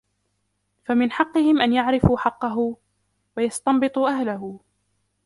فَمِنْ حَقِّهِمْ أَنْ يَعْرِفُوا حَقَّهُ ، وَيَسْتَبْطِنُوا أَهْلَهُ